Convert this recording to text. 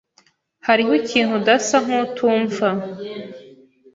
Hariho ikintu udasa nkutumva.